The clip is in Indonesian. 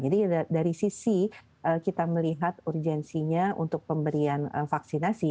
jadi dari sisi kita melihat urgensinya untuk pemberian vaksinasi